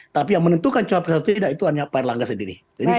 tapi yang menentukan cawapres atau tidak itu hanya pak erlangga sendiri